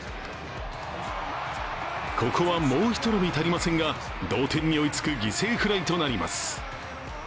ここは、もうひと伸び足りませんが同点に追いつく犠牲フライとなります。